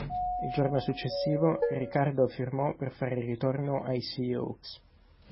Il giorno successivo, Ricardo firmò per fare ritorno ai Seahawks.